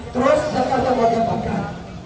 terus jakarta mau diapakan